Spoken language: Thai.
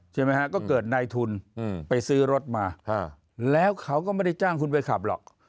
ใช่ไหมฮะก็เกิดในทุนไปซื้อรถมาแล้วเขาก็ไม่ได้จ้างคุณไปขับหรอก